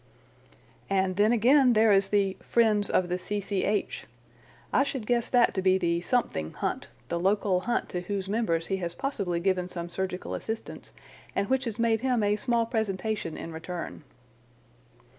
"And then again, there is the 'friends of the C.C.H.' I should guess that to be the Something Hunt, the local hunt to whose members he has possibly given some surgical assistance, and which has made him a small presentation in return."